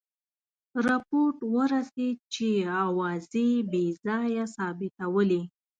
رپوټ ورسېد چې آوازې بې ځایه ثابتولې.